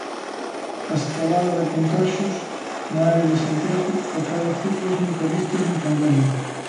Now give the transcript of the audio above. A escalada de contaxios na área de Santiago acada cifras nunca vistas na pandemia.